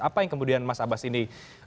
apa yang kemudian mas abas ini